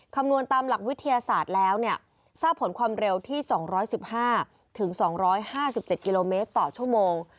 คำนวณตามหลักวิทยาศาสตร์แล้วทราบผลความเร็วที่๒๑๕๒๕๗กิโลเมตรต่อชั่วโมง